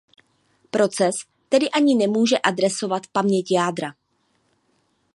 Proces tedy ani nemůže adresovat paměť jádra.